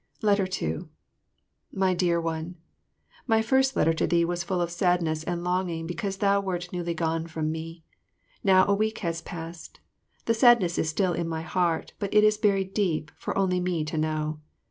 2 My Dear One, My first letter to thee was full of sadness and longing because thou wert newly gone from me. Now a week has passed, the sadness is still in my heart, but it is buried deep for only me to know.